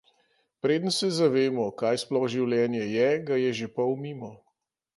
Preden se zavemo, kaj sploh življenje je, ga je že pol mimo.